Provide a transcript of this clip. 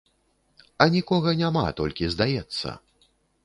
А нікога няма, толькі здаецца.